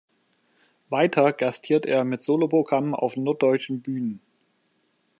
Weiter gastiert er mit Soloprogrammen auf norddeutschen Bühnen.